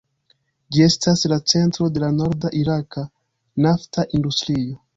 Ĝi estas la centro de la norda iraka nafta industrio.